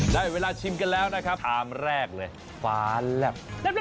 ได้เวลาชิมกันแล้วนะครับชามแรกเลยฟ้าแลบ